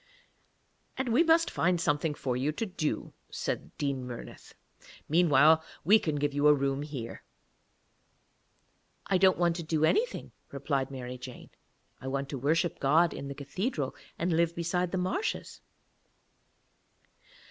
'And we must find something for you to do,' said Dean Murnith. 'Meanwhile we can give you a room here.' 'I don't want to do anything,' replied Mary Jane; 'I want to worship God in the cathedral and live beside the marshes.'